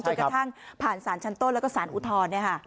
จนกระทั่งผ่านศาลชั้นต้นแล้วก็ศาลอุทธรนะฮะ